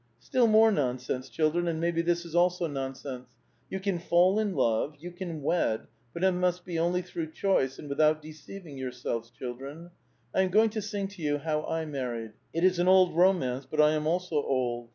^'^ Still more nonsense, children, and maybe this is also nonsense. You can fall in love, you can wed, but it must be only through choice, and without deceiving yourselves, children. I am going to sing to you how I married. It is an old romance, but 1 am also old.